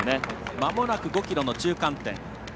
まもなく５ｋｍの中間点。